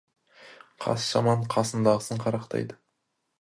Қас жаман қасындағысын қарақтайды.